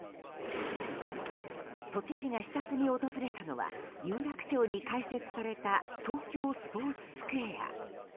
都知事が視察に訪れたのは有楽町に開設された東京スポーツスクエア。